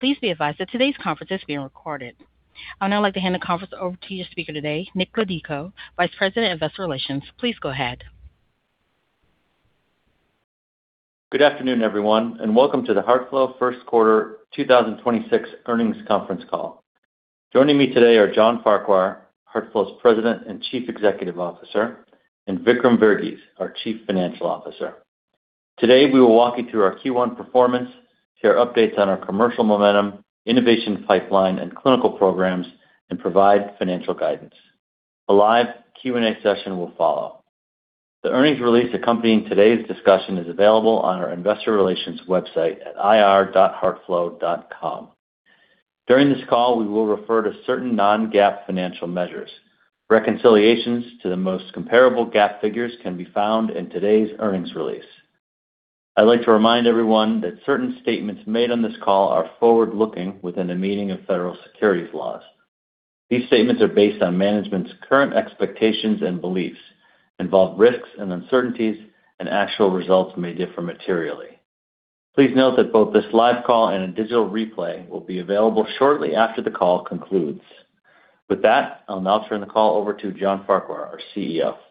Please be advised that today's conference is being recorded. I would now like to hand the conference over to your speaker today, Nick Laudico, Vice President of Investor Relations. Please go ahead. Good afternoon, everyone, welcome to the HeartFlow first quarter 2026 earnings conference call. Joining me today are John Farquhar, HeartFlow's President and Chief Executive Officer, and Vikram Verghese, our Chief Financial Officer. Today, we will walk you through our Q1 performance, share updates on our commercial momentum, innovation pipeline, and clinical programs, provide financial guidance. A live Q&A session will follow. The earnings release accompanying today's discussion is available on our Investor Relations website at ir.heartflow.com. During this call, we will refer to certain non-GAAP financial measures. Reconciliations to the most comparable GAAP figures can be found in today's earnings release. I'd like to remind everyone that certain statements made on this call are forward-looking within the meaning of federal securities laws. These statements are based on management's current expectations and beliefs, involve risks and uncertainties, actual results may differ materially. Please note that both this live call and a digital replay will be available shortly after the call concludes. With that, I'll now turn the call over to John Farquhar, our CEO. Thank you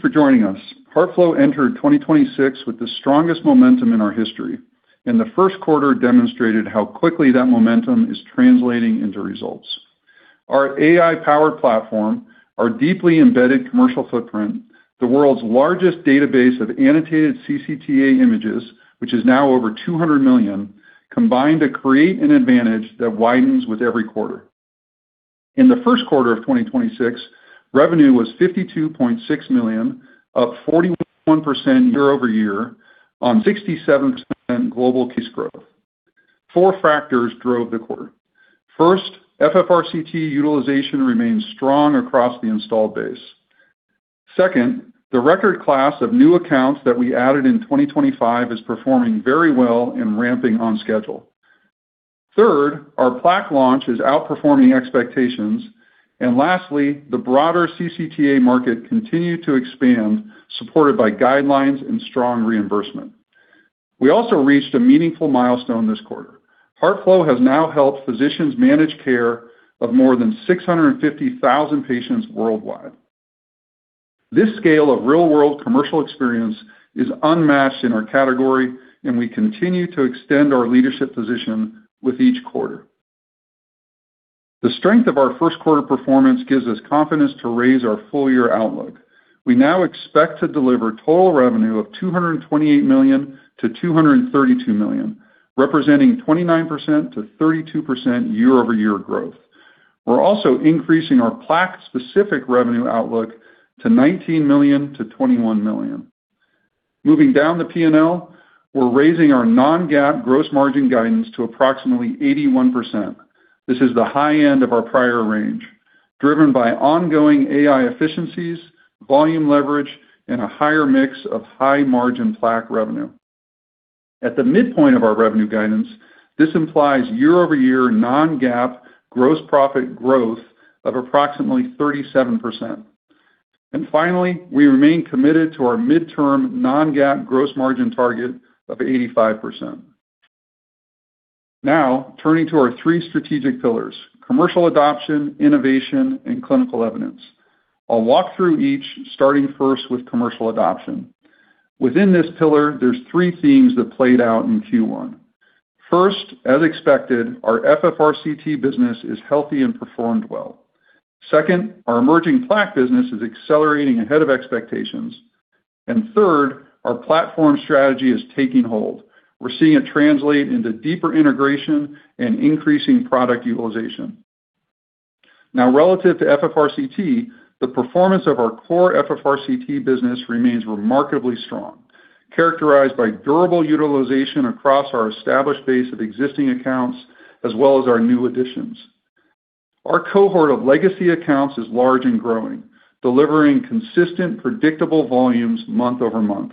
for joining us. HeartFlow entered 2026 with the strongest momentum in our history. The first quarter demonstrated how quickly that momentum is translating into results. Our AI-powered platform, our deeply embedded commercial footprint, the world's largest database of annotated CCTA images, which is now over 200 million, combine to create an advantage that widens with every quarter. In the first quarter of 2026, revenue was $52.6 million, up 41% year-over-year on 67% global case growth. Four factors drove the quarter. First, FFRCT utilization remains strong across the installed base. Second, the record class of new accounts that we added in 2025 is performing very well and ramping on schedule. Third, our Plaque launch is outperforming expectations. Lastly, the broader CCTA market continued to expand, supported by guidelines and strong reimbursement. We also reached a meaningful milestone this quarter. HeartFlow has now helped physicians manage care of more than 650,000 patients worldwide. This scale of real-world commercial experience is unmatched in our category, and we continue to extend our leadership position with each quarter. The strength of our first quarter performance gives us confidence to raise our full-year outlook. We now expect to deliver total revenue of $228 million-$232 million, representing 29%-32% year-over-year growth. We're also increasing our Plaque-specific revenue outlook to $19 million-$21 million. Moving down to P&L, we're raising our non-GAAP gross margin guidance to approximately 81%. This is the high end of our prior range, driven by ongoing AI efficiencies, volume leverage, and a higher mix of high-margin Plaque revenue. At the midpoint of our revenue guidance, this implies year-over-year non-GAAP gross profit growth of approximately 37%. Finally, we remain committed to our midterm non-GAAP gross margin target of 85%. Now, turning to our three strategic pillars: commercial adoption, innovation, and clinical evidence. I'll walk through each, starting first with commercial adoption. Within this pillar, there's three themes that played out in Q1. First, as expected, our FFRCT business is healthy and performed well. Second, our emerging Plaque business is accelerating ahead of expectations. Third, our platform strategy is taking hold. We're seeing it translate into deeper integration and increasing product utilization. Now, relative to FFRCT, the performance of our core FFRCT business remains remarkably strong, characterized by durable utilization across our established base of existing accounts as well as our new additions. Our cohort of legacy accounts is large and growing, delivering consistent, predictable volumes month-over-month.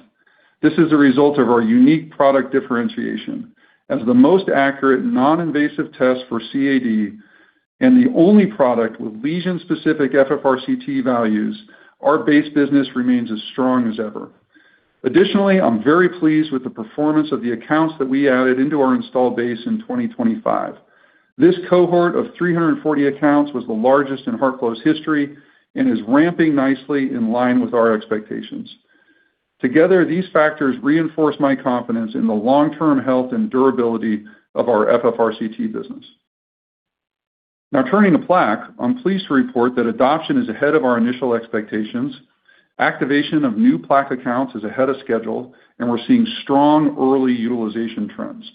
This is a result of our unique product differentiation. As the most accurate non-invasive test for CAD and the only product with lesion-specific FFRCT values, our base business remains as strong as ever. Additionally, I'm very pleased with the performance of the accounts that we added into our installed base in 2025. This cohort of 340 accounts was the largest in HeartFlow's history and is ramping nicely in line with our expectations. Together, these factors reinforce my confidence in the long-term health and durability of our FFRCT business. Now turning to Plaque, I'm pleased to report that adoption is ahead of our initial expectations. Activation of new Plaque accounts is ahead of schedule, and we're seeing strong early utilization trends.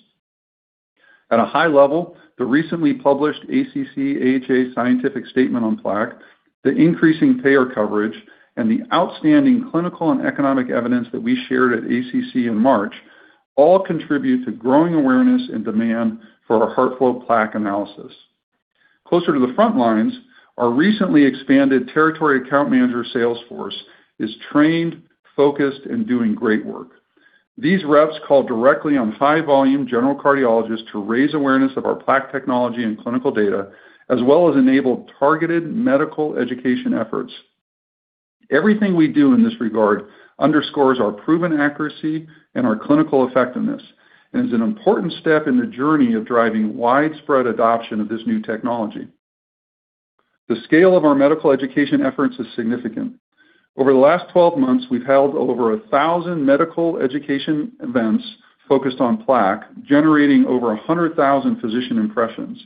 At a high level, the recently published ACC/AHA scientific statement on Plaque, the increasing payer coverage, and the outstanding clinical and economic evidence that we shared at ACC in March all contribute to growing awareness and demand for our HeartFlow Plaque Analysis. Closer to the front lines, our recently expanded territory account manager sales force is trained, focused, and doing great work. These reps call directly on high-volume general cardiologists to raise awareness of our Plaque technology and clinical data as well as enable targeted medical education efforts. Everything we do in this regard underscores our proven accuracy and our clinical effectiveness and is an important step in the journey of driving widespread adoption of this new technology. The scale of our medical education efforts is significant. Over the last 12 months, we've held over 1,000 medical education events focused on Plaque, generating over 100,000 physician impressions.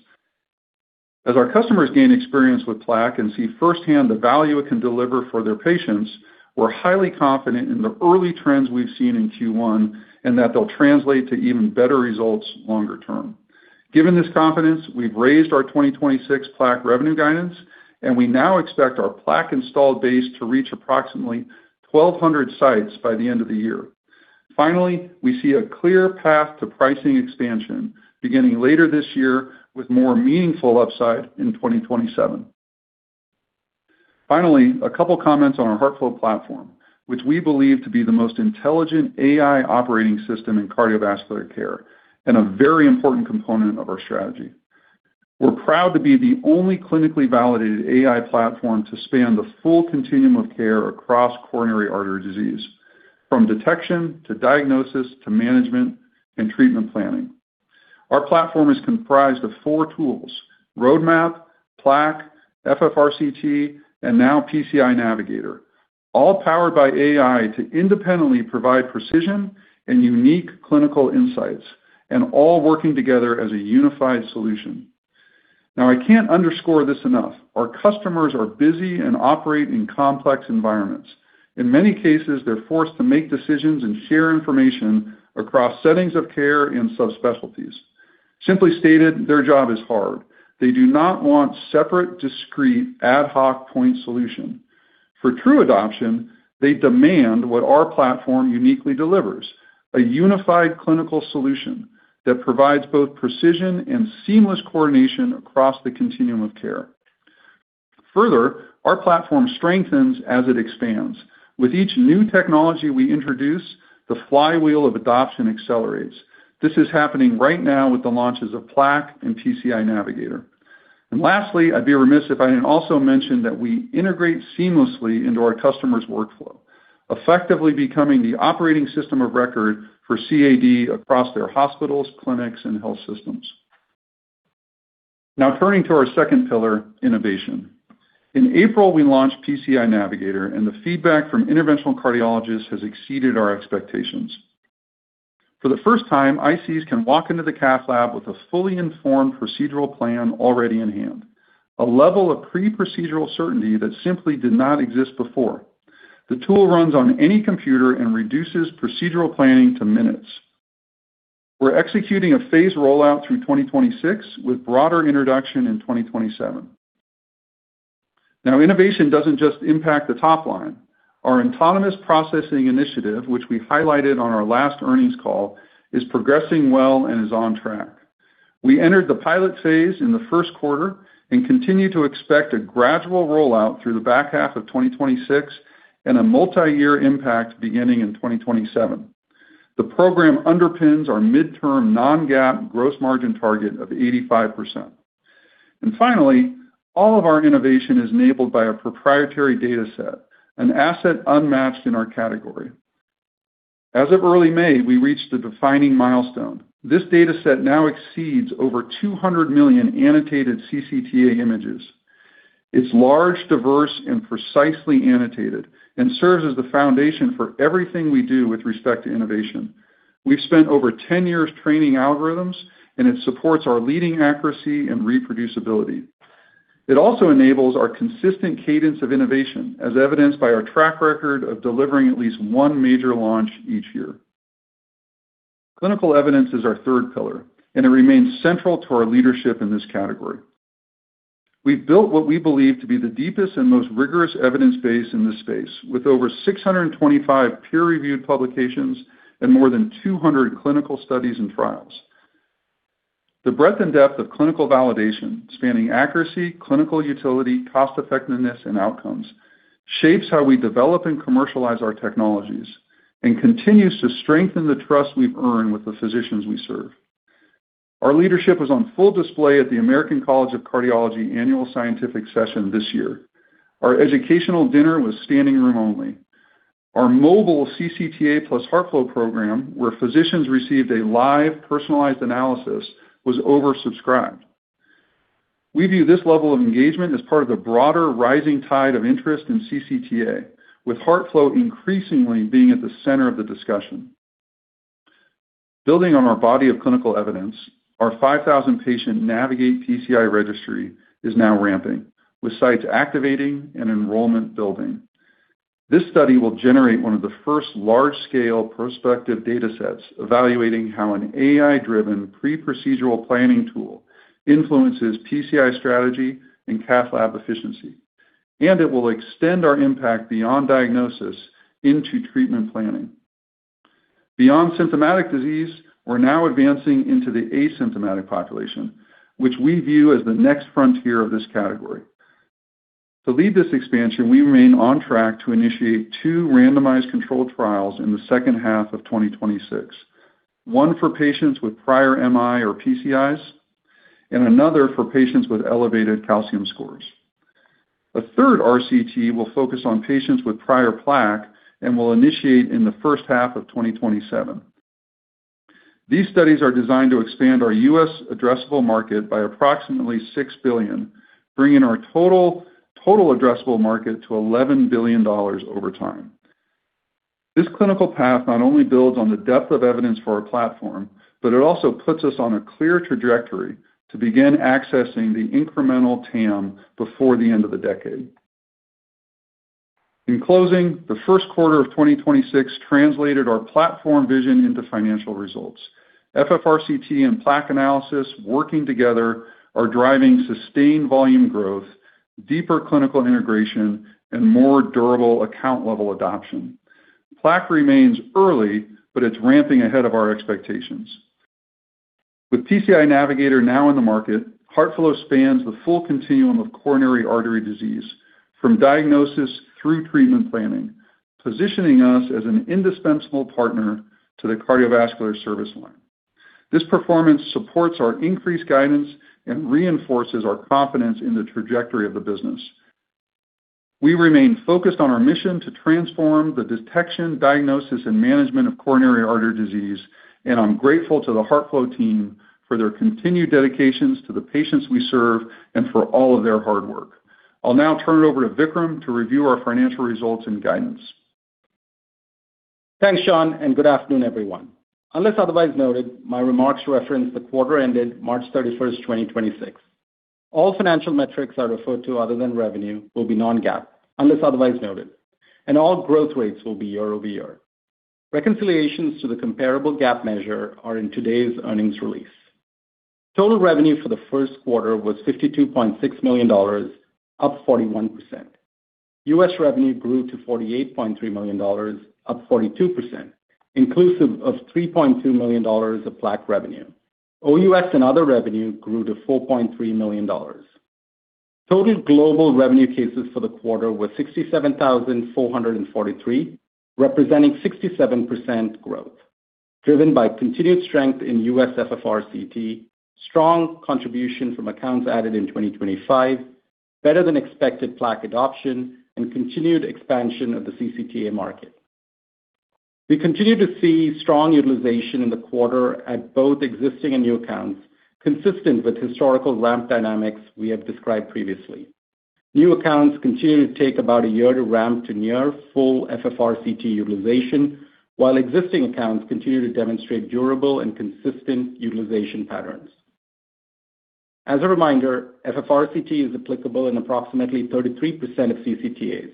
As our customers gain experience with Plaque and see firsthand the value it can deliver for their patients, we're highly confident in the early trends we've seen in Q1 and that they'll translate to even better results longer term. Given this confidence, we've raised our 2026 Plaque revenue guidance, and we now expect our Plaque installed base to reach approximately 1,200 sites by the end of the year. We see a clear path to pricing expansion beginning later this year with more meaningful upside in 2027. A couple comments on our HeartFlow platform, which we believe to be the most intelligent AI operating system in cardiovascular care and a very important component of our strategy. We're proud to be the only clinically validated AI platform to span the full continuum of care across coronary artery disease, from detection to diagnosis to management and treatment planning. Our platform is comprised of four tools: RoadMap, Plaque, FFRCT, and now PCI Navigator, all powered by AI to independently provide precision and unique clinical insights and all working together as a unified solution. Now, I can't underscore this enough. Our customers are busy and operate in complex environments. In many cases, they're forced to make decisions and share information across settings of care and subspecialties. Simply stated, their job is hard. They do not want separate, discrete, ad hoc point solution. For true adoption, they demand what our platform uniquely delivers, a unified clinical solution that provides both precision and seamless coordination across the continuum of care. Further, our platform strengthens as it expands. With each new technology we introduce, the flywheel of adoption accelerates. This is happening right now with the launches of Plaque and PCI Navigator. Lastly, I'd be remiss if I didn't also mention that we integrate seamlessly into our customers' workflow, effectively becoming the operating system of record for CAD across their hospitals, clinics, and health systems. Turning to our second pillar, innovation. In April, we launched PCI Navigator, and the feedback from interventional cardiologists has exceeded our expectations. For the first time, ICs can walk into the cath lab with a fully informed procedural plan already in hand, a level of pre-procedural certainty that simply did not exist before. The tool runs on any computer and reduces procedural planning to minutes. We're executing a phased rollout through 2026 with broader introduction in 2027. Innovation doesn't just impact the top line. Our autonomous processing initiative, which we highlighted on our last earnings call, is progressing well and is on track. We entered the pilot phase in the first quarter and continue to expect a gradual rollout through the back half of 2026 and a multi-year impact beginning in 2027. The program underpins our midterm non-GAAP gross margin target of 85%. Finally, all of our innovation is enabled by our proprietary data set, an asset unmatched in our category. As of early May, we reached a defining milestone. This data set now exceeds over 200 million annotated CCTA images. It's large, diverse, and precisely annotated and serves as the foundation for everything we do with respect to innovation. We've spent over 10 years training algorithms, and it supports our leading accuracy and reproducibility. It also enables our consistent cadence of innovation, as evidenced by our track record of delivering at least one major launch each year. Clinical evidence is our third pillar, and it remains central to our leadership in this category. We've built what we believe to be the deepest and most rigorous evidence base in this space, with over 625 peer-reviewed publications and more than 200 clinical studies and trials. The breadth and depth of clinical validation, spanning accuracy, clinical utility, cost-effectiveness, and outcomes, shapes how we develop and commercialize our technologies and continues to strengthen the trust we've earned with the physicians we serve. Our leadership was on full display at the American College of Cardiology Annual Scientific Session this year. Our educational dinner was standing room only. Our mobile CCTA plus HeartFlow program, where physicians received a live personalized analysis, was oversubscribed. We view this level of engagement as part of the broader rising tide of interest in CCTA, with HeartFlow increasingly being at the center of the discussion. Building on our body of clinical evidence, our 5,000-patient NAVIGATE-PCI Registry is now ramping, with sites activating and enrollment building. This study will generate one of the first large-scale prospective data sets evaluating how an AI-driven pre-procedural planning tool influences PCI strategy and cath lab efficiency. It will extend our impact beyond diagnosis into treatment planning. Beyond symptomatic disease, we're now advancing into the asymptomatic population, which we view as the next frontier of this category. To lead this expansion, we remain on track to initiate two randomized controlled trials in the second half of 2026, one for patients with prior MI or PCIs. Another for patients with elevated calcium scores. A third RCT will focus on patients with prior Plaque and will initiate in the first half of 2027. These studies are designed to expand our U.S. addressable market by approximately $6 billion, bringing our total addressable market to $11 billion over time. This clinical path not only builds on the depth of evidence for our platform, but it also puts us on a clear trajectory to begin accessing the incremental TAM before the end of the decade. In closing, the first quarter of 2026 translated our platform vision into financial results. FFRCT and Plaque Analysis working together are driving sustained volume growth, deeper clinical integration, and more durable account-level adoption. Plaque remains early, but it's ramping ahead of our expectations. With PCI Navigator now in the market, HeartFlow spans the full continuum of coronary artery disease from diagnosis through treatment planning, positioning us as an indispensable partner to the cardiovascular service line. This performance supports our increased guidance and reinforces our confidence in the trajectory of the business. We remain focused on our mission to transform the detection, diagnosis, and management of coronary artery disease, and I'm grateful to the HeartFlow team for their continued dedications to the patients we serve and for all of their hard work. I'll now turn it over to Vikram to review our financial results and guidance. Thanks, John, and good afternoon, everyone. Unless otherwise noted, my remarks reference the quarter ended March 31st, 2026. All financial metrics I refer to other than revenue will be non-GAAP, unless otherwise noted, and all growth rates will be year-over-year. Reconciliations to the comparable GAAP measure are in today's earnings release. Total revenue for the first quarter was $52.6 million, up 41%. U.S. revenue grew to $48.3 million, up 42%, inclusive of $3.2 million of Plaque revenue. OUS and other revenue grew to $4.3 million. Total global revenue cases for the quarter were 67,443, representing 67% growth, driven by continued strength in U.S. FFRCT, strong contribution from accounts added in 2025, better than expected Plaque adoption, and continued expansion of the CCTA market. We continue to see strong utilization in the quarter at both existing and new accounts, consistent with historical ramp dynamics we have described previously. New accounts continue to take about a year to ramp to near full FFRCT utilization, while existing accounts continue to demonstrate durable and consistent utilization patterns. As a reminder, FFRCT is applicable in approximately 33% of CCTAs,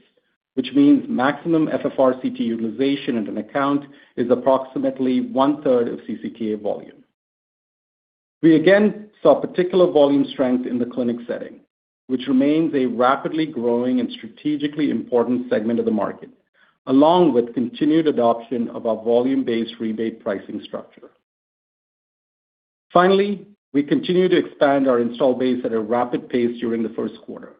which means maximum FFRCT utilization in an account is approximately one-third of CCTA volume. We again saw particular volume strength in the clinic setting, which remains a rapidly growing and strategically important segment of the market, along with continued adoption of our volume-based rebate pricing structure. Finally, we continue to expand our install base at a rapid pace during the first quarter,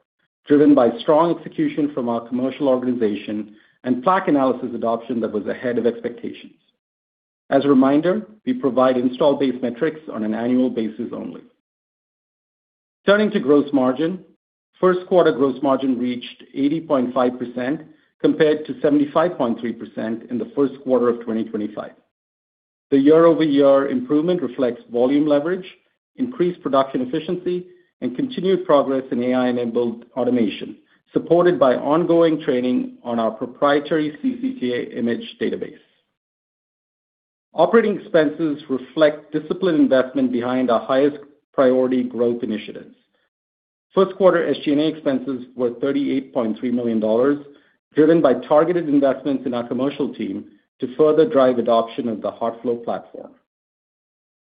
driven by strong execution from our commercial organization and Plaque Analysis adoption that was ahead of expectations. As a reminder, we provide install base metrics on an annual basis only. Turning to gross margin, first quarter gross margin reached 80.5% compared to 75.3% in the first quarter of 2025. The year-over-year improvement reflects volume leverage, increased production efficiency, and continued progress in AI-enabled automation, supported by ongoing training on our proprietary CCTA image database. Operating expenses reflect disciplined investment behind our highest priority growth initiatives. First quarter SG&A expenses were $38.3 million, driven by targeted investments in our commercial team to further drive adoption of the HeartFlow platform.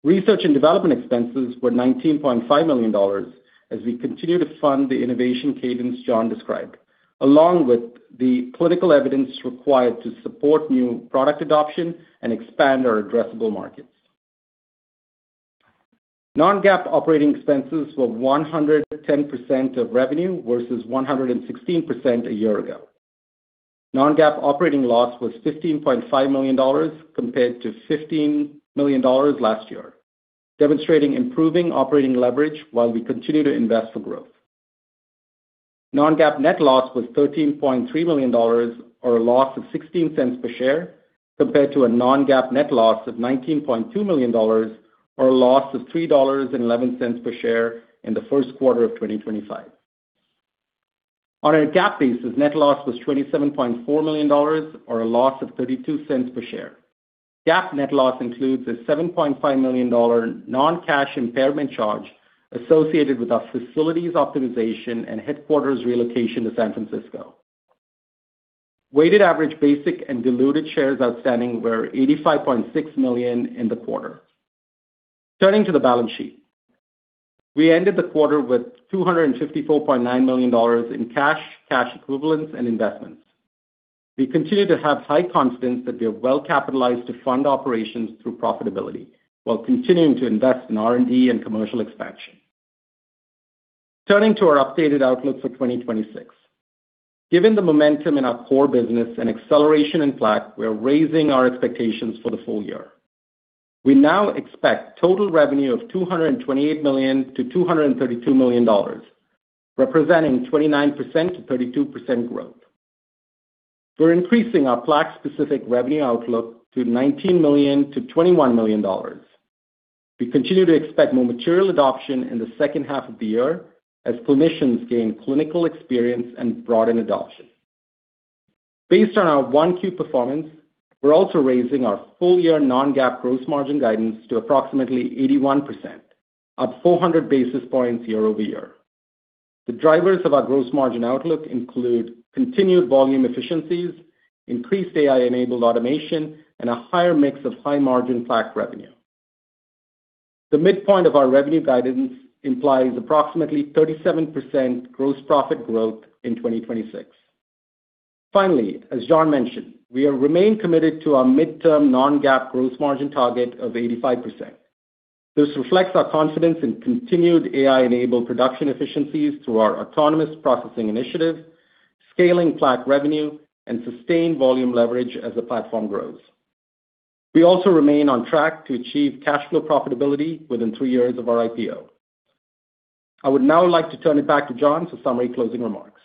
Research and development expenses were $19.5 million as we continue to fund the innovation cadence John described, along with the clinical evidence required to support new product adoption and expand our addressable markets. Non-GAAP operating expenses were 110% of revenue versus 116% a year ago. Non-GAAP operating loss was $15.5 million compared to $15 million last year, demonstrating improving operating leverage while we continue to invest for growth. Non-GAAP net loss was $13.3 million or a loss of $0.16 per share compared to a Non-GAAP net loss of $19.2 million or a loss of $3.11 per share in the first quarter of 2025. On a GAAP basis, net loss was $27.4 million or a loss of $0.32 per share. GAAP net loss includes a $7.5 million non-cash impairment charge associated with our facilities optimization and headquarters relocation to San Francisco. Weighted average basic and diluted shares outstanding were $85.6 million in the quarter. Turning to the balance sheet. We ended the quarter with $254.9 million in cash equivalents, and investments. We continue to have high confidence that we are well-capitalized to fund operations through profitability while continuing to invest in R&D and commercial expansion. Turning to our updated outlook for 2026. Given the momentum in our core business and acceleration in Plaque, we are raising our expectations for the full year. We now expect total revenue of $228 million-$232 million, representing 29%-32% growth. We're increasing our Plaque-specific revenue outlook to $19 million-$21 million. We continue to expect more material adoption in the second half of the year as clinicians gain clinical experience and broaden adoption. Based on our 1Q performance, we're also raising our full-year non-GAAP gross margin guidance to approximately 81%, up 400 basis points year-over-year. The drivers of our gross margin outlook include continued volume efficiencies, increased AI-enabled automation, and a higher mix of high-margin Plaque revenue. The midpoint of our revenue guidance implies approximately 37% gross profit growth in 2026. Finally, as John mentioned, we have remained committed to our midterm non-GAAP gross margin target of 85%. This reflects our confidence in continued AI-enabled production efficiencies through our autonomous processing initiative, scaling Plaque revenue, and sustained volume leverage as the platform grows. We also remain on track to achieve cash flow profitability within three years of our IPO. I would now like to turn it back to John for summary closing remarks.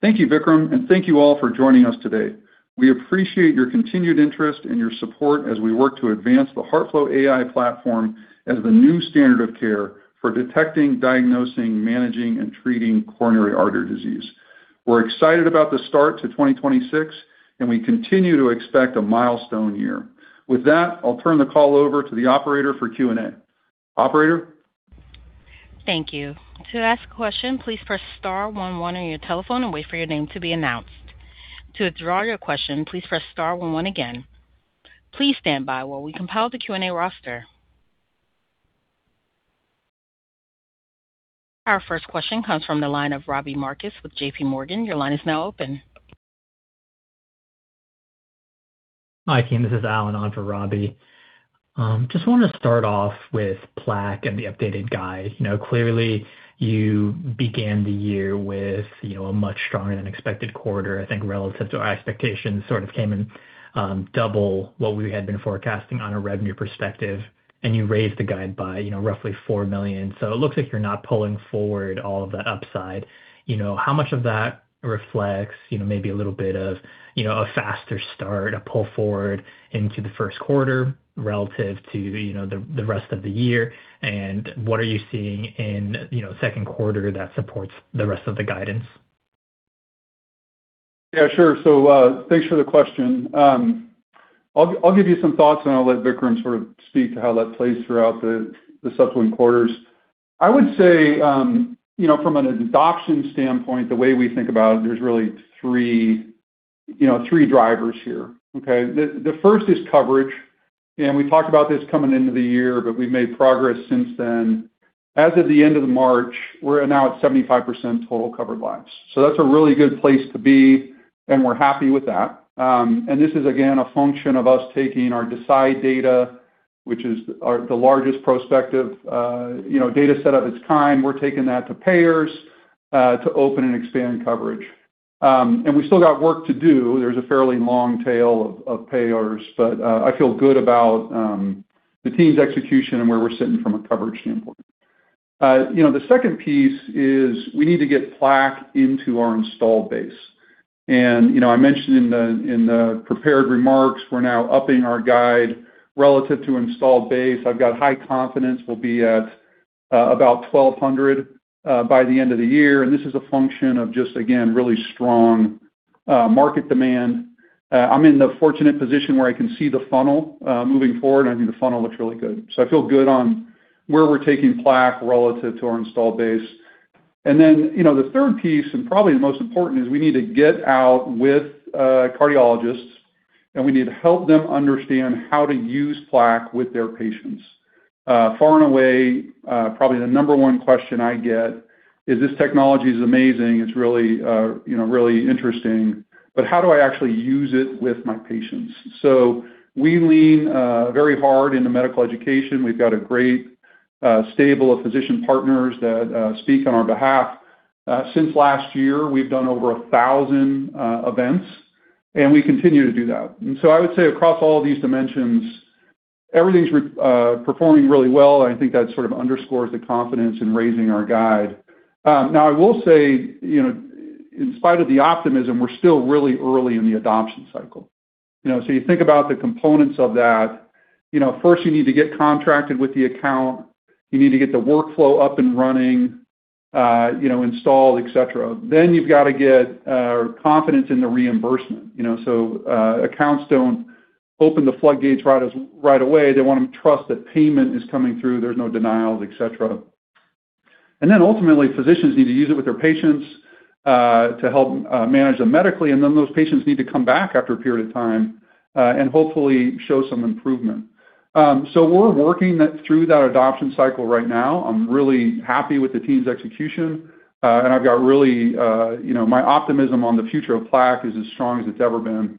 Thank you, Vikram, and thank you all for joining us today. We appreciate your continued interest and your support as we work to advance the HeartFlow AI platform as the new standard of care for detecting, diagnosing, managing, and treating coronary artery disease. We're excited about the start to 2026, and we continue to expect a milestone year. With that, I'll turn the call over to the operator for Q&A. Operator? Thank you. Our first question comes from the line of Robbie Marcus with JPMorgan. Hi, team. This is Alan on for Robbie. Just want to start off with Plaque and the updated guide. You know, clearly you began the year with, you know, a much stronger than expected quarter. I think relative to our expectations, sort of came in, double what we had been forecasting on a revenue perspective. You raised the guide by, you know, roughly $4 million. It looks like you're not pulling forward all of the upside. You know, how much of that reflects, you know, maybe a little bit of, you know, a faster start, a pull forward into the first quarter relative to, you know, the rest of the year? What are you seeing in, you know, second quarter that supports the rest of the guidance? Yeah, sure. Thanks for the question. I'll give you some thoughts, and I'll let Vikram sort of speak to how that plays throughout the subsequent quarters. I would say, you know, from an adoption standpoint, the way we think about it, there's really three, you know, three drivers here, okay? The first is coverage, and we talked about this coming into the year, but we've made progress since then. As of the end of March, we're now at 75% total covered lives. That's a really good place to be, and we're happy with that. This is again, a function of us taking our DECIDE data, which is the largest prospective, you know, data set of its kind. We're taking that to payers to open and expand coverage. We still got work to do. There's a fairly long tail of payers. I feel good about the team's execution and where we're sitting from a coverage standpoint. You know, the second piece is we need to get Plaque into our installed base. You know, I mentioned in the prepared remarks, we're now upping our guide relative to installed base. I've got high confidence we'll be at about 1,200 by the end of the year. This is a function of just, again, really strong market demand. I'm in the fortunate position where I can see the funnel moving forward, and I think the funnel looks really good. I feel good on where we're taking Plaque relative to our installed base. You know, the third piece, probably the most important, is we need to get out with cardiologists, we need to help them understand how to use Plaque with their patients. Far and away, probably the number one question I get is this technology is amazing. It's really, you know, really interesting, how do I actually use it with my patients? We lean very hard into medical education. We've got a great stable of physician partners that speak on our behalf. Since last year, we've done over 1,000 events, we continue to do that. I would say across all of these dimensions, everything's performing really well. I think that sort of underscores the confidence in raising our guide. Now I will say, you know, in spite of the optimism, we're still really early in the adoption cycle, you know. You think about the components of that, you know, first you need to get contracted with the account. You need to get the workflow up and running, you know, installed, et cetera. You've got to get confidence in the reimbursement. You know, accounts don't open the floodgates right away. They want to trust that payment is coming through, there's no denials, et cetera. Ultimately, physicians need to use it with their patients to help manage them medically. Those patients need to come back after a period of time. Hopefully show some improvement. We're working that through that adoption cycle right now. I'm really happy with the team's execution. I've got really, you know, my optimism on the future of Plaque is as strong as it's ever been.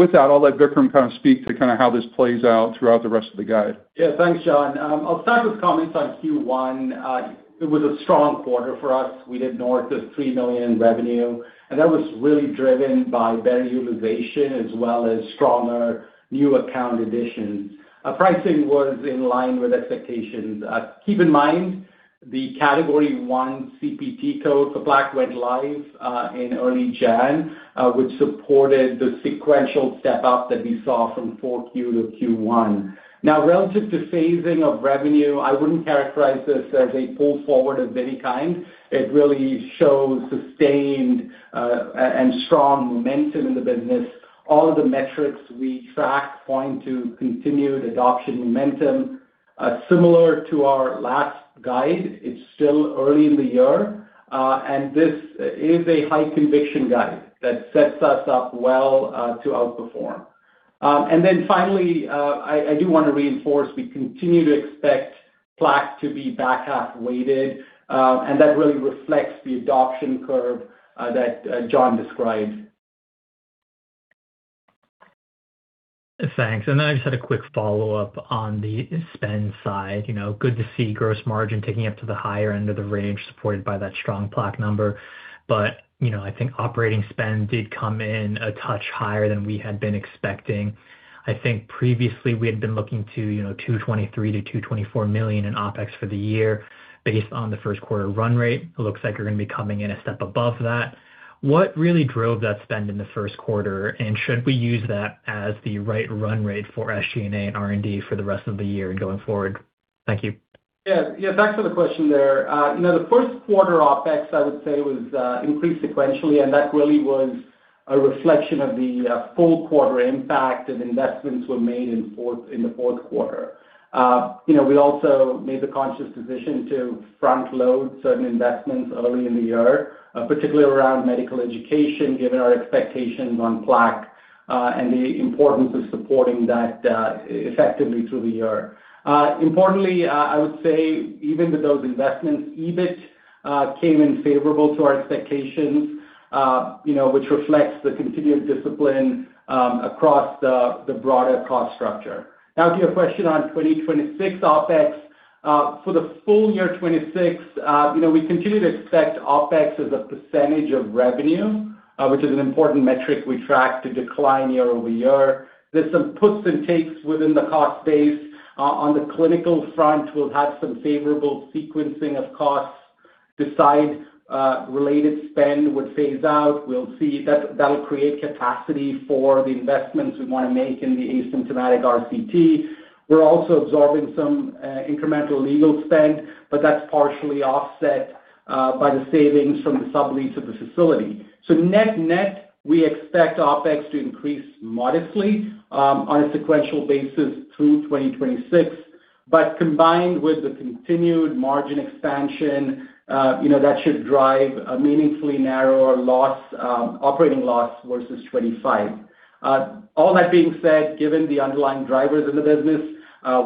With that, I'll let Vikram kind of speak to kinda how this plays out throughout the rest of the guide. Thanks, John. I'll start with comments on Q1. It was a strong quarter for us. We did north of $3 million in revenue, and that was really driven by better utilization as well as stronger new account additions. Pricing was in line with expectations. Keep in mind the Category 1 CPT code for Plaque went live in early January, which supported the sequential step-up that we saw from 4Q to Q1. Relative to phasing of revenue, I wouldn't characterize this as a pull forward of any kind. It really shows sustained and strong momentum in the business. All of the metrics we track point to continued adoption momentum. Similar to our last guide, it's still early in the year, and this is a high conviction guide that sets us up well to outperform. Then finally, I do wanna reinforce, we continue to expect Plaque to be back half weighted, and that really reflects the adoption curve that John described. Thanks. Then I just had a quick follow-up on the spend side. You know, good to see gross margin ticking up to the higher end of the range supported by that strong Plaque number. You know, I think operating spend did come in a touch higher than we had been expecting. I think previously we had been looking to, you know, $223 million-$224 million in OpEx for the year based on the 1st quarter run rate. It looks like you're going to be coming in a step above that. What really drove that spend in the 1st quarter, and should we use that as the right run rate for SG&A and R&D for the rest of the year going forward? Thanks for the question there. You know, the first quarter OpEx, I would say, was increased sequentially, and that really was a reflection of the full quarter impact and investments were made in the fourth quarter. You know, we also made the conscious decision to front-load certain investments early in the year, particularly around medical education, given our expectations on Plaque, and the importance of supporting that effectively through the year. Importantly, I would say even with those investments, EBIT came in favorable to our expectations, you know, which reflects the continued discipline across the broader cost structure. Now to your question on 2026 OpEx. For the full year 2026, you know, we continue to expect OpEx as a percentage of revenue, which is an important metric we track to decline year-over-year. There's some puts and takes within the cost base. On the clinical front, we'll have some favorable sequencing of costs. DECIDE related spend would phase out. We'll see that'll create capacity for the investments we wanna make in the asymptomatic RCT. We're also absorbing some incremental legal spend, but that's partially offset by the savings from the sublease of the facility. Net-net, we expect OpEx to increase modestly on a sequential basis through 2026. Combined with the continued margin expansion, you know, that should drive a meaningfully narrower loss, operating loss versus 2025. All that being said, given the underlying drivers in the business,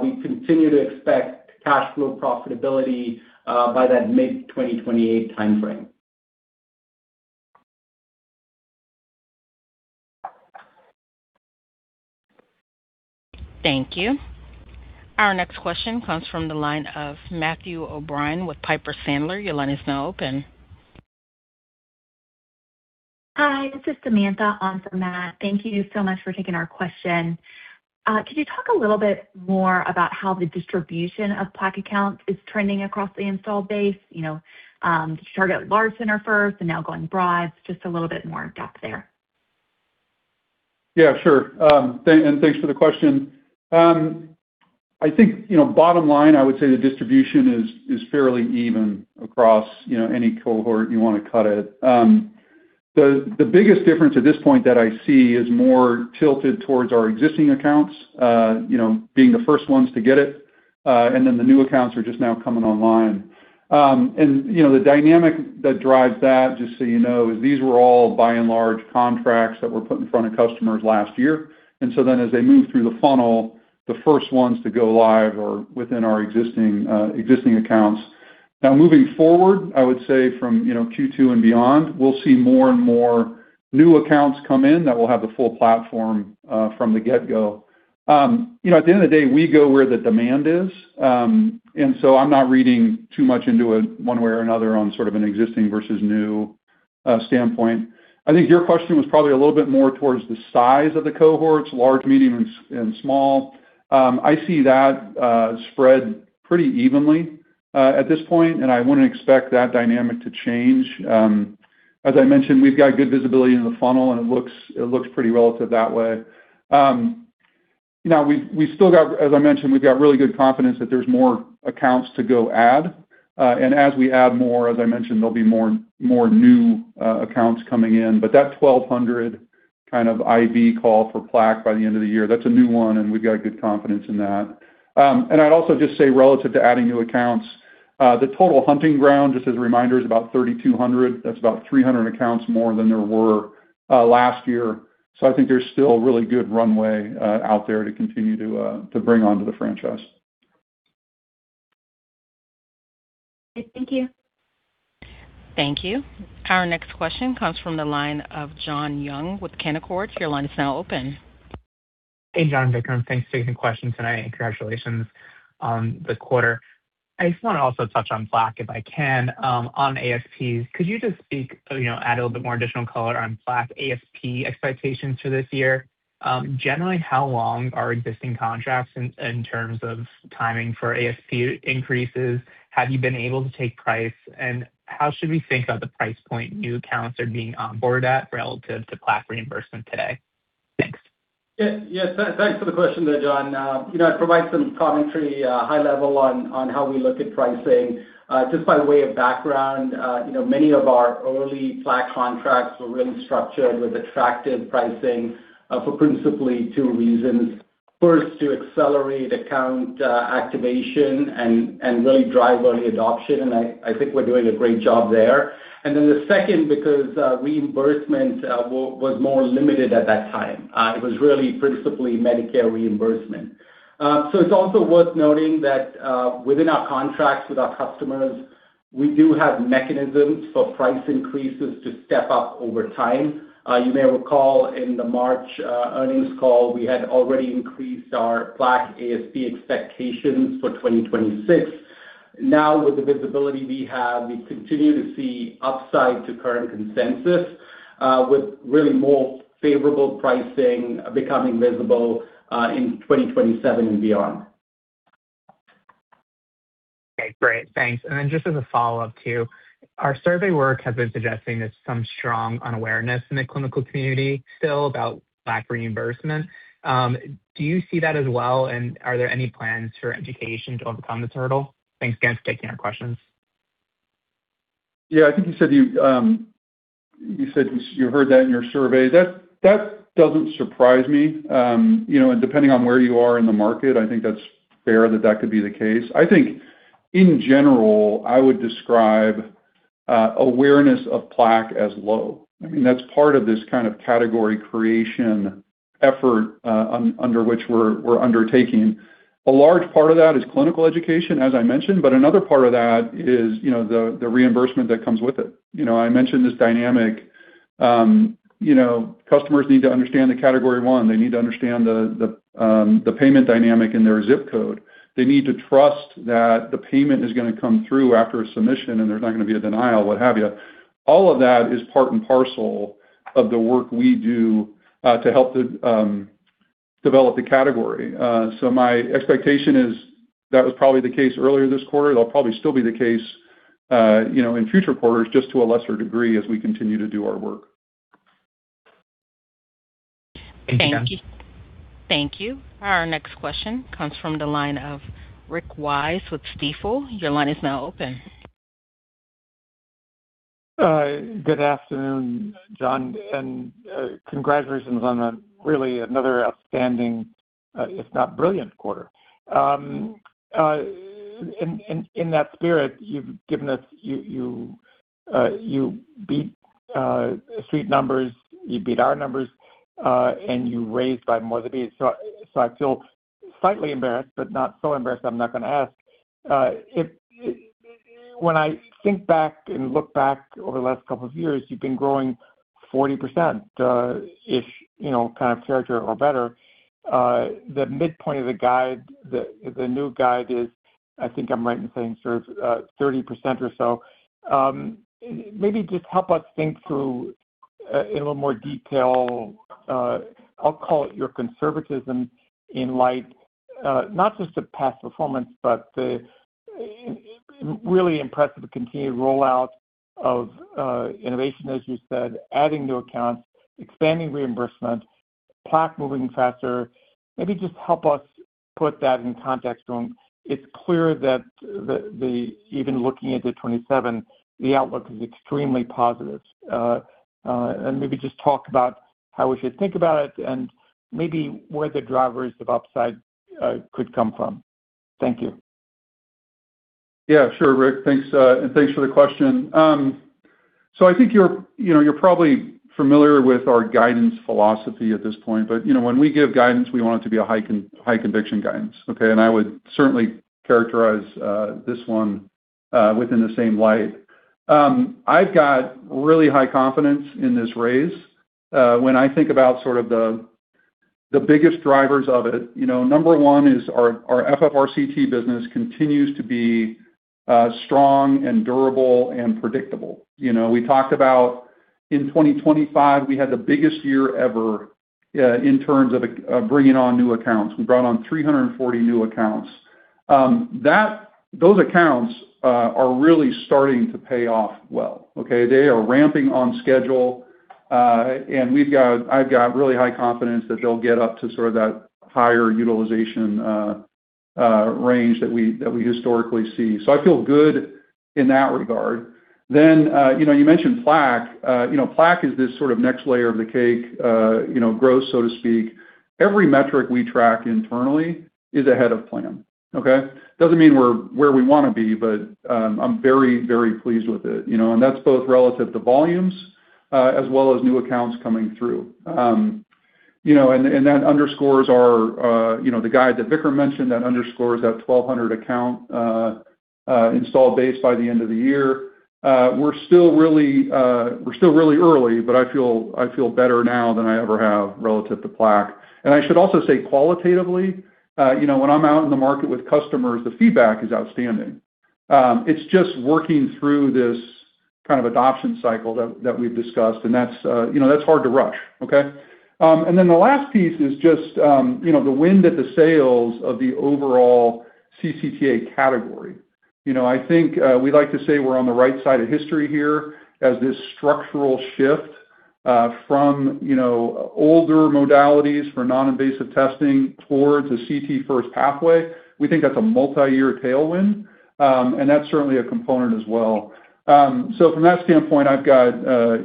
we continue to expect cash flow profitability, by that mid-2028 timeframe. Thank you. Our next question comes from the line of Matthew O'Brien with Piper Sandler. Your line is now open. Hi, this is Samantha on for Matt. Thank you so much for taking our question. Could you talk a little bit more about how the distribution of Plaque accounts is trending across the installed base? You know, started at large center first and now going broad. Just a little bit more depth there. Yeah, sure. Thanks for the question. I think, you know, bottom line, I would say the distribution is fairly even across, you know, any cohort you wanna cut it. The biggest difference at this point that I see is more tilted towards our existing accounts, you know, being the first ones to get it, and then the new accounts are just now coming online. And, you know, the dynamic that drives that, just so you know, is these were all by and large contracts that were put in front of customers last year. As they move through the funnel, the first ones to go live are within our existing accounts. Now moving forward, I would say from, you know, Q2 and beyond, we'll see more and more new accounts come in that will have the full platform from the get-go. You know, at the end of the day, we go where the demand is. I'm not reading too much into it one way or another on sort of an existing versus new standpoint. I think your question was probably a little bit more towards the size of the cohorts, large, medium, and small. I see that spread pretty evenly at this point, and I wouldn't expect that dynamic to change. As I mentioned, we've got good visibility in the funnel and it looks pretty relative that way. Now we've still got, as I mentioned, we've got really good confidence that there's more accounts to go add. As we add more, as I mentioned, there'll be more new accounts coming in. That 1,200 kind of IB call for Plaque by the end of the year, that's a new one and we've got good confidence in that. I'd also just say relative to adding new accounts The total hunting ground, just as a reminder, is about 3,200. That's about 300 accounts more than there were last year. I think there's still a really good runway out there to continue to bring onto the franchise. Thank you. Thank you. Our next question comes from the line of Jon Young with Canaccord. Your line is now open. Hey, John, Vikram. Thanks for taking the question tonight. Congratulations on the quarter. I just want to also touch on Plaque, if I can. On ASPs, could you just speak, you know, add a little bit more additional color on Plaque ASP expectations for this year? Generally, how long are existing contracts in terms of timing for ASP increases? Have you been able to take price? How should we think of the price point new accounts are being onboarded at relative to Plaque reimbursement today? Thanks. Yeah. Yeah. Thanks for the question there, Jon. You know, I'd provide some commentary high level on how we look at pricing. Just by way of background, you know, many of our early Plaque contracts were really structured with attractive pricing for principally two reasons. First, to accelerate account activation and really drive early adoption, and I think we're doing a great job there. The second, because reimbursement was more limited at that time. It was really principally Medicare reimbursement. It's also worth noting that within our contracts with our customers, we do have mechanisms for price increases to step up over time. You may recall in the March earnings call, we had already increased our Plaque ASP expectations for 2026. Now, with the visibility we have, we continue to see upside to current consensus, with really more favorable pricing becoming visible, in 2027 and beyond. Okay. Great. Thanks. Just as a follow-up too, our survey work has been suggesting there's some strong unawareness in the clinical community still about Plaque reimbursement. Do you see that as well, and are there any plans for education to overcome this hurdle? Thanks again for taking our questions. Yeah. I think you said you said you heard that in your survey. That doesn't surprise me. You know, depending on where you are in the market, I think that's fair that could be the case. I think in general, I would describe awareness of Plaque as low. I mean, that's part of this kind of category creation effort under which we're undertaking. A large part of that is clinical education, as I mentioned, another part of that is, you know, the reimbursement that comes with it. You know, I mentioned this dynamic, you know, customers need to understand the Category 1. They need to understand the payment dynamic in their ZIP code. They need to trust that the payment is gonna come through after a submission, and there's not gonna be a denial, what have you. All of that is part and parcel of the work we do to help the develop the category. My expectation is that was probably the case earlier this quarter. It'll probably still be the case, you know, in future quarters, just to a lesser degree as we continue to do our work. Thank you. Thank you. Our next question comes from the line of Rick Wise with Stifel. Your line is now open. Good afternoon, John, and congratulations on a really another outstanding, if not brilliant quarter. In that spirit, you've given us you beat street numbers, you beat our numbers, and you raised by more than these. I feel slightly embarrassed, but not so embarrassed I'm not gonna ask. When I think back and look back over the last couple of years, you've been growing 40%, if you know, kind of character or better. The midpoint of the guide, the new guide is, I think I'm right in saying sort of, 30% or so. Maybe just help us think through in a little more detail, I'll call it your conservatism in light, not just the past performance, but the really impressive continued rollout of innovation, as you said, adding new accounts, expanding reimbursement, Plaque moving faster. Maybe just help us put that in context going. It's clear that the even looking at the 2027, the outlook is extremely positive. Maybe just talk about how we should think about it and maybe where the drivers of upside could come from. Thank you. Yeah. Sure, Rick. Thanks, and thanks for the question. I think you're, you know, you're probably familiar with our guidance philosophy at this point, but, you know, when we give guidance, we want it to be a high conviction guidance. Okay? I would certainly characterize this one within the same light. I've got really high confidence in this raise. When I think about sort of the biggest drivers of it, you know, number one is our FFRCT business continues to be strong and durable and predictable. You know, we talked about in 2025, we had the biggest year ever in terms of bringing on new accounts. We brought on 340 new accounts. Those accounts are really starting to pay off well. Okay? They are ramping on schedule, and I've got really high confidence that they'll get up to sort of that higher utilization range that we historically see. I feel good in that regard. You know, you mentioned Plaque. You know, Plaque is this sort of next layer of the cake, you know, growth, so to speak. Every metric we track internally is ahead of plan, okay? Doesn't mean we're where we wanna be, but I'm very, very pleased with it, you know? That's both relative to volumes, as well as new accounts coming through. You know, that underscores our, you know, the guide that Vikram mentioned, that underscores that 1,200 account install base by the end of the year. We're still really early, but I feel better now than I ever have relative to Plaque. I should also say qualitatively, you know, when I'm out in the market with customers, the feedback is outstanding. It's just working through this kind of adoption cycle that we've discussed, and that's, you know, that's hard to rush. The last piece is just, you know, the wind at the sails of the overall CCTA category. You know, I think we like to say we're on the right side of history here as this structural shift from, you know, older modalities for non-invasive testing towards a CT first pathway. We think that's a multi-year tailwind, and that's certainly a component as well. From that standpoint, I've got,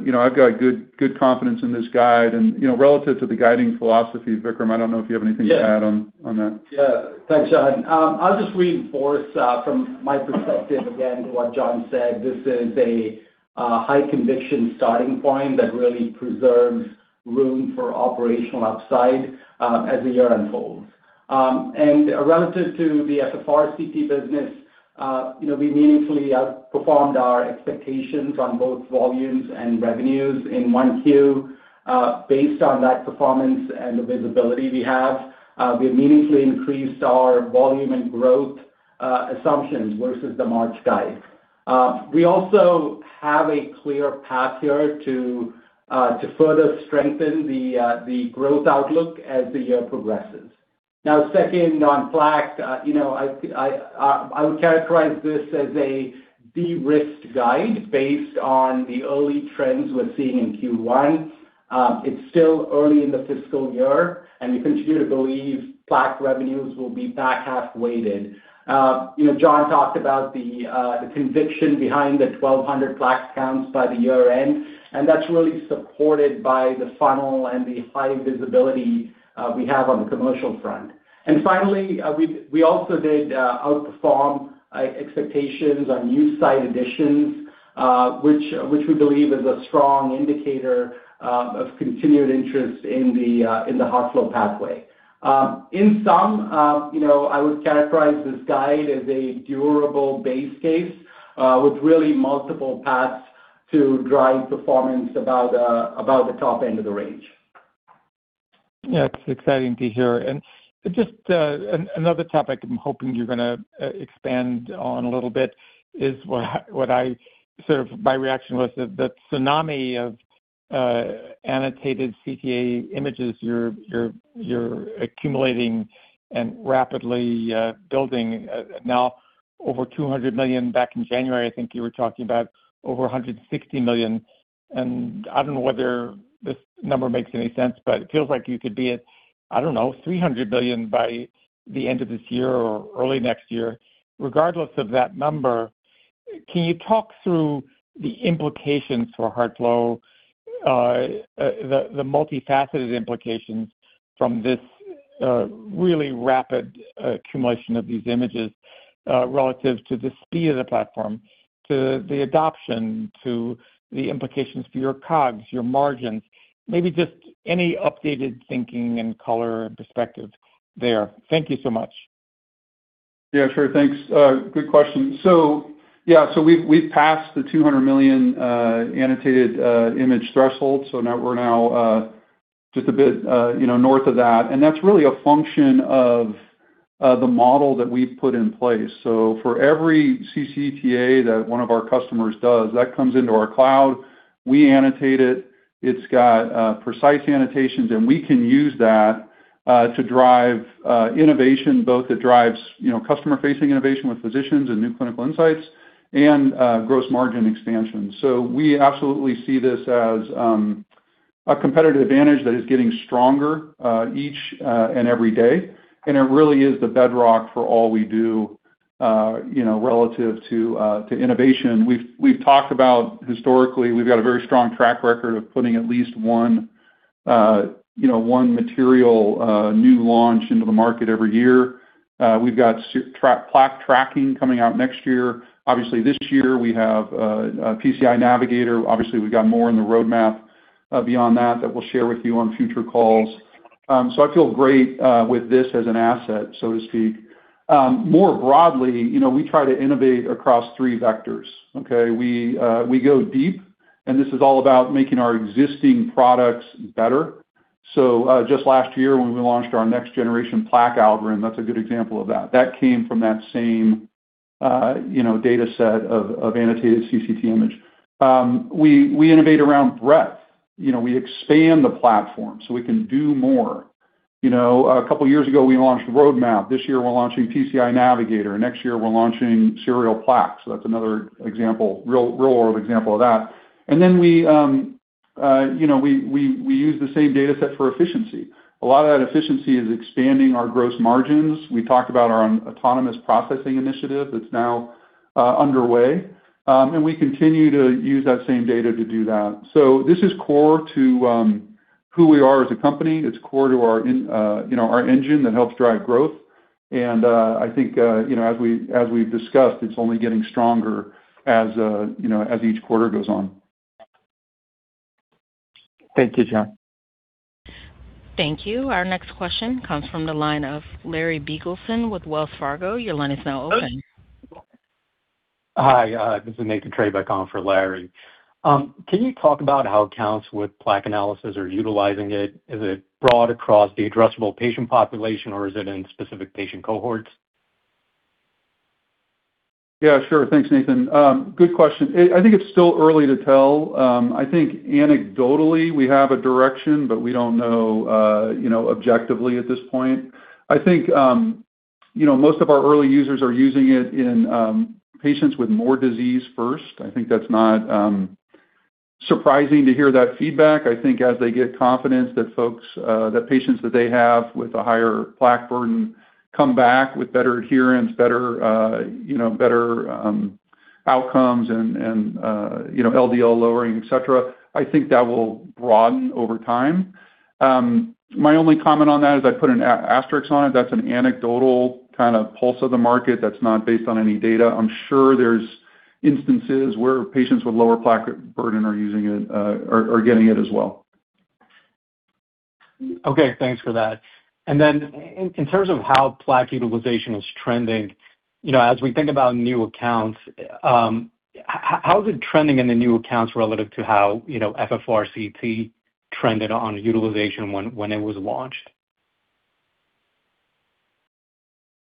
you know, I've got good confidence in this guide and, you know, relative to the guiding philosophy, Vikram, I don't know if you have anything to add on that. Yeah. Yeah. Thanks, John. I'll just reinforce from my perspective again, to what John said, this is a high conviction starting point that really preserves room for operational upside as the year unfolds. And relative to the FFRCT business, you know, we meaningfully outperformed our expectations on both volumes and revenues in 1Q. Based on that performance and the visibility we have, we immediately increased our volume and growth assumptions versus the March guide. We also have a clear path here to further strengthen the growth outlook as the year progresses. Now, second, on Plaque, you know, I would characterize this as a de-risked guide based on the early trends we're seeing in Q1. It's still early in the fiscal year, and we continue to believe Plaque revenues will be back half weighted. You know, John talked about the conviction behind the 1,200 Plaque counts by the year-end, and that's really supported by the funnel and the high visibility we have on the commercial front. Finally, we also did outperform expectations on new site additions, which we believe is a strong indicator of continued interest in the HeartFlow pathway. In sum, you know, I would characterize this guide as a durable base case, with really multiple paths to drive performance about the top end of the range. Yeah, it's exciting to hear. Just another topic I'm hoping you're gonna expand on a little bit is what I, what I sort of my reaction was the tsunami of annotated CCTA images you're accumulating and rapidly building now over 200 million. Back in January, I think you were talking about over 160 million. I don't know whether this number makes any sense, but it feels like you could be at, I don't know, 300 million by the end of this year or early next year. Regardless of that number, can you talk through the implications for HeartFlow, the multifaceted implications from this really rapid accumulation of these images relative to the speed of the platform, to the adoption, to the implications for your COGS, your margins? Maybe just any updated thinking and color and perspective there. Thank you so much. Yeah, sure. Thanks. Good question. We've passed the 200 million annotated image threshold, now we're just a bit, you know, north of that, and that's really a function of the model that we've put in place. For every CCTA that one of our customers does, that comes into our cloud. We annotate it. It's got precise annotations, and we can use that to drive innovation, both that drives, you know, customer-facing innovation with physicians and new clinical insights and gross margin expansion. We absolutely see this as a competitive advantage that is getting stronger each and every day. It really is the bedrock for all we do, you know, relative to innovation. We've talked about historically, we've got a very strong track record of putting at least one, you know, one material new launch into the market every year. We've got Plaque tracking coming out next year. Obviously, this year we have PCI Navigator. Obviously, we've got more in the RoadMap beyond that we'll share with you on future calls. I feel great with this as an asset, so to speak. More broadly, you know, we try to innovate across three vectors. We go deep, this is all about making our existing products better. Just last year when we launched our next generation Plaque algorithm, that's a good example of that. That came from that same, you know, data set of annotated CCTA image. We innovate around breadth. You know, we expand the platform, we can do more. You know, a couple of years ago, we launched RoadMap. This year we're launching PCI Navigator. Next year we're launching Plaque, that's another example, real-world example of that. We, you know, we use the same data set for efficiency. A lot of that efficiency is expanding our gross margins. We talked about our autonomous processing initiative that's now underway. We continue to use that same data to do that. This is core to who we are as a company. It's core to our, you know, our engine that helps drive growth. I think, you know, as we've discussed, it's only getting stronger as, you know, as each quarter goes on. Thank you, John. Thank you. Our next question comes from the line of Larry Biegelsen with Wells Fargo. Hi, this is Nathan Treybeck back on for Larry. Can you talk about how accounts with Plaque Analysis are utilizing it? Is it broad across the addressable patient population or is it in specific patient cohorts? Yeah, sure. Thanks, Nathan. Good question. I think it's still early to tell. I think anecdotally we have a direction, but we don't know, you know, objectively at this point. I think, you know, most of our early users are using it in patients with more disease first. I think that's not surprising to hear that feedback. I think as they get confidence that folks, that patients that they have with a higher Plaque burden come back with better adherence, better, you know, better outcomes and, you know, LDL lowering, et cetera, I think that will broaden over time. My only comment on that is I'd put an asterisk on it. That's an anecdotal kind of pulse of the market that's not based on any data. I'm sure there's instances where patients with lower Plaque burden are using it, are getting it as well. Okay. Thanks for that. In terms of how Plaque utilization is trending, you know, as we think about new accounts, how is it trending in the new accounts relative to how, you know, FFRCT trended on utilization when it was launched?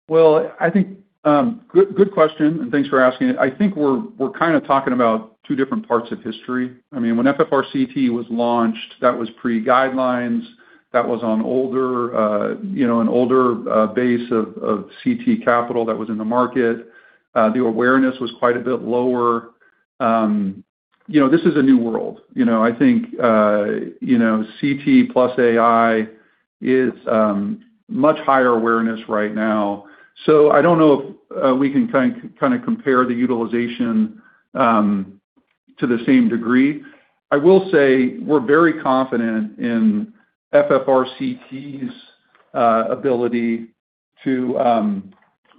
I think, good question, and thanks for asking it. I think we're kind of talking about two different parts of history. I mean, when FFRCT was launched, that was pre-guidelines. That was on older, you know, an older base of CT capital that was in the market. The awareness was quite a bit lower. You know, this is a new world. You know, I think, you know, CT plus AI is much higher awareness right now. I don't know if we can kind of compare the utilization to the same degree. I will say we're very confident in FFRCT's ability to,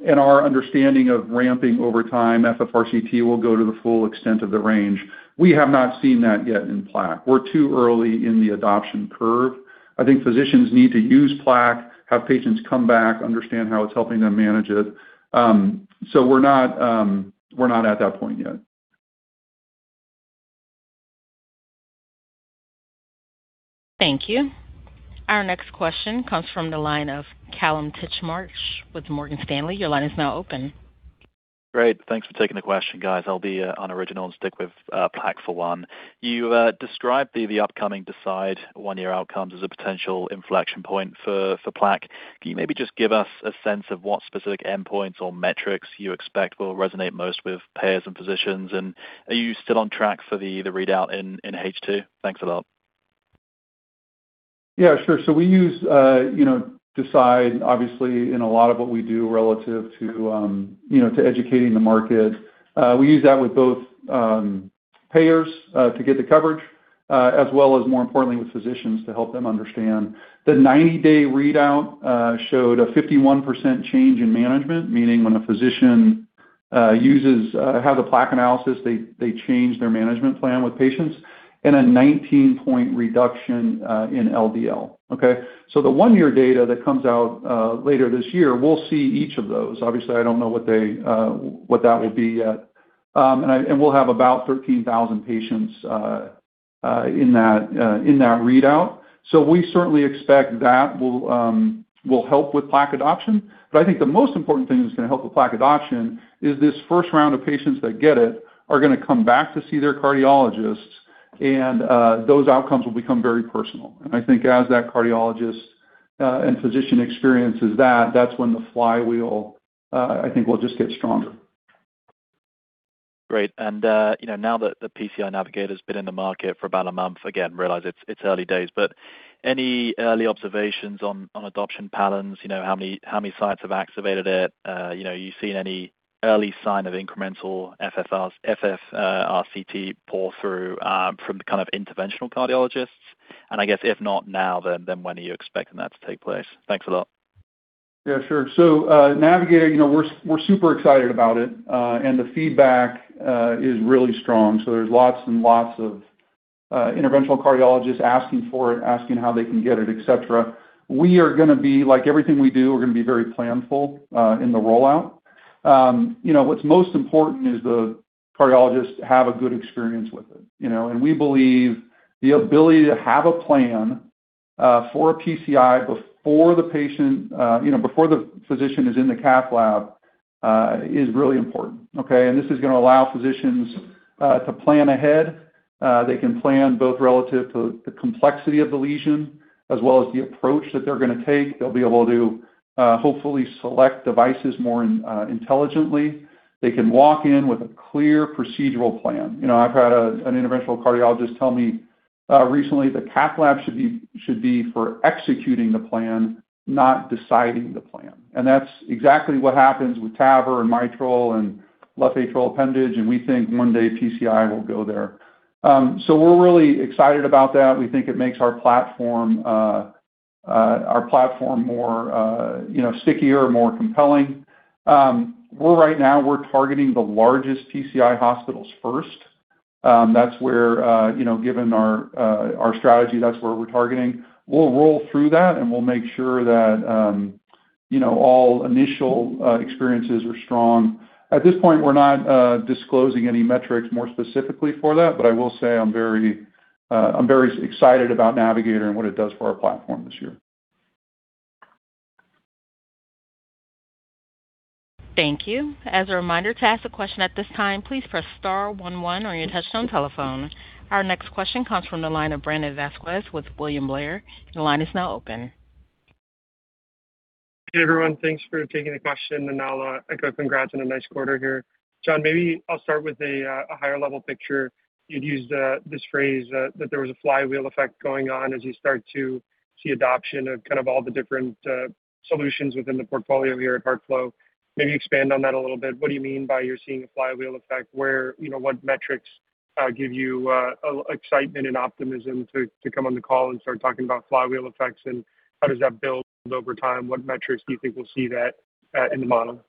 in our understanding of ramping over time, FFRCT will go to the full extent of the range. We have not seen that yet in Plaque. We're too early in the adoption curve. I think physicians need to use Plaque, have patients come back, understand how it's helping them manage it. We're not at that point yet. Thank you. Our next question comes from the line of Kallum Titchmarsh with Morgan Stanley. Your line is now open. Great. Thanks for taking the question, guys. I'll be unoriginal and stick with Plaque for one. You described the upcoming DECIDE one-year outcomes as a potential inflection point for Plaque. Can you maybe just give us a sense of what specific endpoints or metrics you expect will resonate most with payers and physicians? Are you still on track for the readout in H2? Thanks a lot. Yeah, sure. We use, you know, DECIDE obviously in a lot of what we do relative to, you know, to educating the market. We use that with both, payers, to get the coverage, as well as more importantly with physicians to help them understand. The 90-day readout showed a 51% change in management, meaning when a physician have the Plaque Analysis, they change their management plan with patients and a 19-point reduction in LDL. Okay. The one-year data that comes out later this year, we'll see each of those. Obviously, I don't know what they, what that will be yet. And we'll have about 13,000 patients in that readout. We certainly expect that will help with Plaque adoption. I think the most important thing that's gonna help with Plaque adoption is this first round of patients that get it are gonna come back to see their cardiologists and, those outcomes will become very personal. I think as that cardiologist, and physician experiences that's when the flywheel, I think will just get stronger. Great. You know, now that the PCI Navigator's been in the market for about a month, again, realize it's early days, but any early observations on adoption patterns? You know, how many sites have activated it? You know, you seen any early sign of incremental FFRCT pull through from kind of interventional cardiologists? I guess if not now, then when are you expecting that to take place? Thanks a lot. Yeah, sure. Navigator, you know, we're super excited about it. The feedback is really strong. There's lots and lots of interventional cardiologists asking for it, asking how they can get it, et cetera. We are gonna be like everything we do, we're gonna be very planful in the rollout. You know, what's most important is the cardiologists have a good experience with it, you know. We believe the ability to have a plan for a PCI before the patient, you know, before the physician is in the cath lab, is really important. Okay? This is gonna allow physicians to plan ahead. They can plan both relative to the complexity of the lesion as well as the approach that they're gonna take. They'll be able to hopefully select devices more intelligently. They can walk in with a clear procedural plan. You know, I've had an interventional cardiologist tell me recently the cath lab should be for executing the plan, not deciding the plan. That's exactly what happens with TAVR and mitral and left atrial appendage, and we think one day PCI will go there. So we're really excited about that. We think it makes our platform, our platform more, you know, stickier, more compelling. We're right now, we're targeting the largest PCI hospitals first. That's where, you know, given our strategy, that's where we're targeting. We'll roll through that, and we'll make sure that, you know, all initial experiences are strong. At this point, we're not disclosing any metrics more specifically for that, but I will say I'm very, I'm very excited about Navigator and what it does for our platform this year. Thank you. Our next question comes from the line of Brandon Vazquez with William Blair. Your line is now open. Hey, everyone. Thanks for taking the question, and I'll echo congrats on a nice quarter here. John, maybe I'll start with a higher-level picture. You'd used this phrase that there was a flywheel effect going on as you start to see adoption of kind of all the different solutions within the portfolio here at HeartFlow. Maybe expand on that a little bit. What do you mean by you're seeing a flywheel effect? Where you know, what metrics give you excitement and optimism to come on the call and start talking about flywheel effects, and how does that build over time? What metrics do you think we'll see that in the model?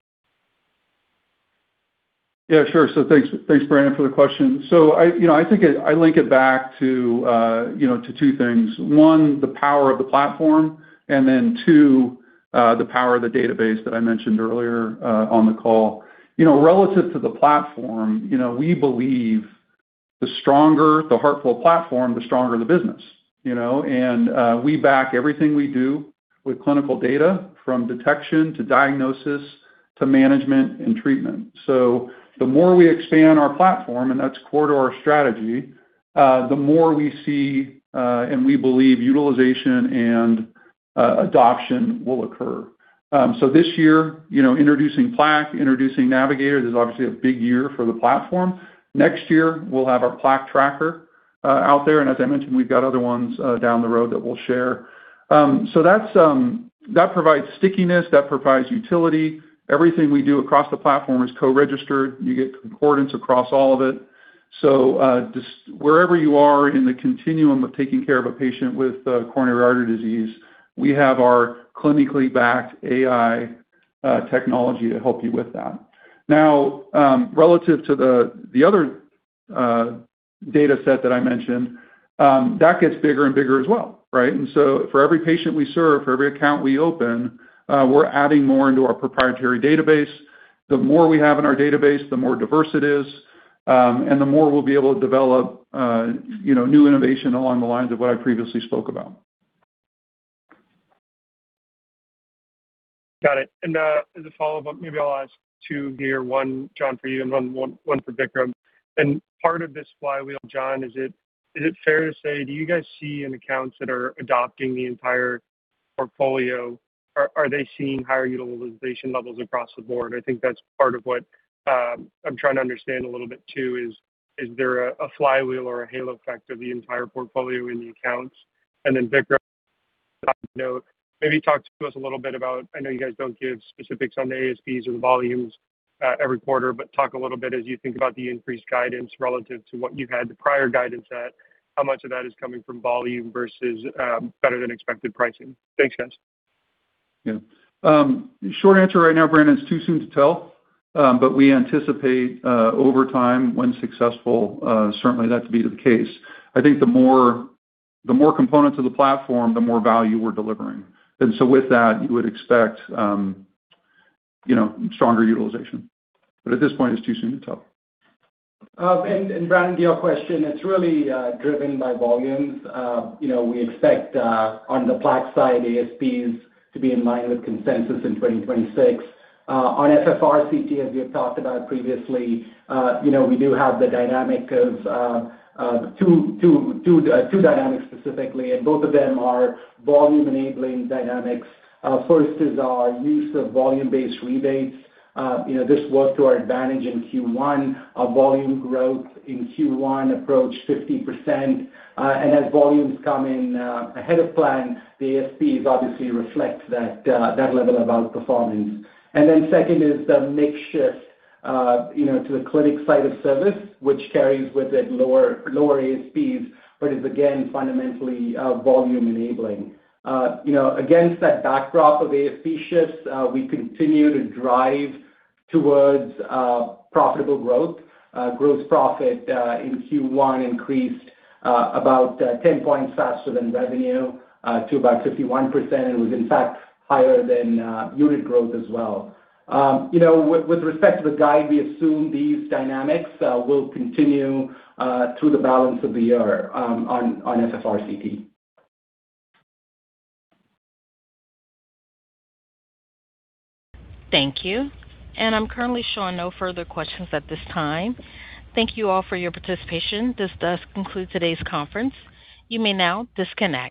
Thanks, Brandon, for the question. I, you know, I link it back to, you know, to two things. One, the power of the platform, and then two, the power of the database that I mentioned earlier on the call. You know, relative to the platform, you know, we believe the stronger the HeartFlow platform, the stronger the business, you know. We back everything we do with clinical data from detection to diagnosis to management and treatment. The more we expand our platform, and that's core to our strategy, the more we see, and we believe utilization and adoption will occur. This year, you know, introducing Plaque, introducing Navigator. This is obviously a big year for the platform. Next year, we'll have our Plaque tracker out there. As I mentioned, we've got other ones down the road that we'll share. That provides stickiness. That provides utility. Everything we do across the platform is co-registered. You get concordance across all of it. Just wherever you are in the continuum of taking care of a patient with Coronary Disease, we have our clinically backed AI technology to help you with that. Relative to the other data set that I mentioned, that gets bigger and bigger as well, right? For every patient we serve, for every account we open, we're adding more into our proprietary database. The more we have in our database, the more diverse it is, and the more we'll be able to develop, you know, new innovation along the lines of what I previously spoke about. Got it. As a follow-up, maybe I'll ask two here, one, John, for you and one for Vikram. Part of this flywheel, John, is it fair to say, do you guys see in accounts that are adopting the entire portfolio, are they seeing higher utilization levels across the board? I think that's part of what I'm trying to understand a little bit too, is there a flywheel or a halo effect of the entire portfolio in the accounts? Then Vikram, on that note, maybe talk to us a little bit about, I know you guys don't give specifics on the ASPs or the volumes, every quarter, but talk a little bit as you think about the increased guidance relative to what you had the prior guidance at, how much of that is coming from volume versus better than expected pricing. Thanks, guys. Yeah. Short answer right now, Brandon, it's too soon to tell. We anticipate, over time, when successful, certainly that to be the case. I think the more, the more components of the platform, the more value we're delivering. With that, you would expect, you know, stronger utilization. At this point, it's too soon to tell. Brandon, to your question, it's really driven by volumes. You know, we expect on the Plaque side, ASPs to be in line with consensus in 2026. On FFRCT, as we have talked about previously, you know, we do have the dynamic of two dynamics specifically, both of them are volume-enabling dynamics. First is our use of volume-based rebates. You know, this worked to our advantage in Q1. Our volume growth in Q1 approached 50%. As volumes come in ahead of plan, the ASPs obviously reflect that level of outperformance. Second is the mix shift, you know, to the clinic site of service, which carries with it lower ASPs, but is again fundamentally volume enabling. You know, against that backdrop of ASP shifts, we continue to drive towards profitable growth. Gross profit in Q1 increased about 10 points faster than revenue to about 51%. It was in fact higher than unit growth as well. You know, with respect to the guide, we assume these dynamics will continue through the balance of the year on FFRCT. Thank you. I'm currently showing no further questions at this time. Thank you all for your participation. This does conclude today's conference. You may now disconnect.